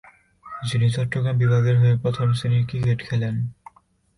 যিনি চট্টগ্রাম বিভাগের হয়ে প্রথম শ্রেণির ক্রিকেট খেলেন।